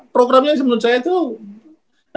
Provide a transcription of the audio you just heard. programnya menurut saya tuh